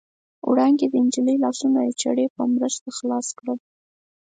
وړانګې د نجلۍ لاسونه د چاړې په مرسته خلاص کړل.